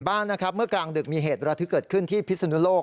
บ้างนะครับเมื่อกลางดึกมีเหตุระทึกเกิดขึ้นที่พิศนุโลก